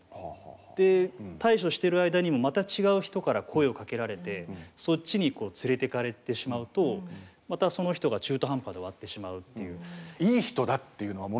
で対処してる間にもまた違う人から声をかけられてそっちに連れていかれてしまうとまたその人が中途半端で終わってしまうっていう。